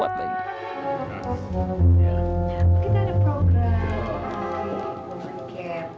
kita ada program